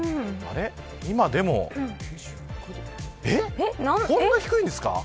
今、こんなに低いんですか。